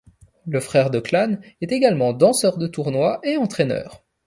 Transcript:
Le frère de Klann est également danseur de tournoi et entraîneur.